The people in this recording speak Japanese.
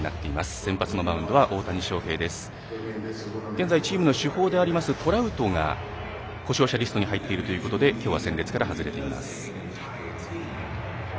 現在、チームの主砲でありますトラウトが故障者リストに入っているということできょうは戦列から外れています。